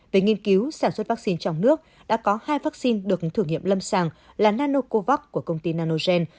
về nghiên cứu sản xuất vaccine trong nước đã có hai vaccine được thử nghiệm lâm sàng là nanocovax của công ty nanogen